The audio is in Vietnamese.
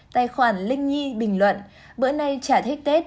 tài khoản linh nhi bình luận bữa nay trả thích tết